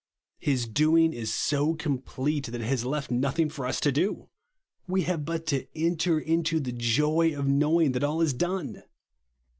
His doing is so complete that it has left nothing for us to do. We have but to enter into the joy of knowing that all is done